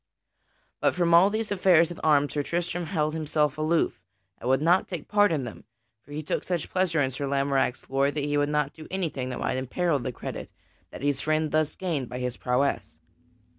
But from all these affairs at arms Sir Tristram held himself aloof, and would not take part in them. For he took such pleasure in Sir Lamorack's glory that he would not do anything that might imperil the credit that his friend thus gained by his prowess.